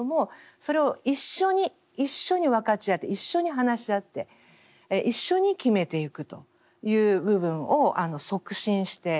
それを一緒に一緒に分かち合って一緒に話し合って一緒に決めていくという部分を促進しています。